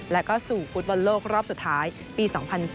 แล้วก็สู่ฟุตบอลโลกรอบสุดท้ายปี๒๐๐๔